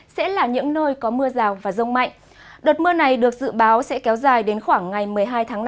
sẽ là những nơi có mưa rào và rông mạnh đợt mưa này được dự báo sẽ kéo dài đến khoảng ngày một mươi hai tháng năm